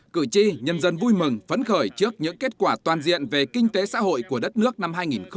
cử tri nhân dân vui mừng phấn khởi trước những kết quả toàn diện về kinh tế xã hội của đất nước năm hai nghìn một mươi tám